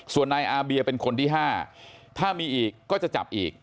ส่วนนายอาเบียเป็นคนที่๕ถ้ามีอีกก็จะจับอีก